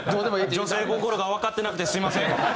女性心がわかってなくてすいません。